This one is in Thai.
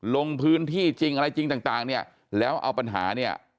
ลงพื้นที่จริงอะไรจริงต่างเนี่ยแล้วเอาปัญหาเนี่ย